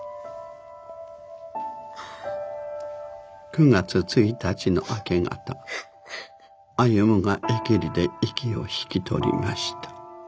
９月１日の明け方歩が疫痢で息を引き取りました。